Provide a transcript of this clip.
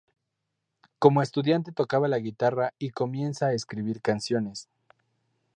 Como estudiante tocaba la guitarra y comienza a escribir canciones.